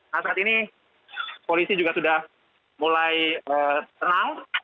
nah saat ini polisi juga sudah mulai tenang